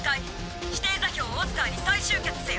指定座標オスカーに再集結せよ。